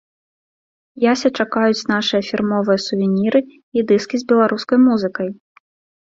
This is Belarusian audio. Яся чакаюць нашыя фірмовыя сувеніры і дыскі з беларускай музыкай.